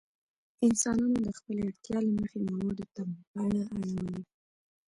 انسانانو د خپلې اړتیا له مخې موادو ته بڼه اړولې.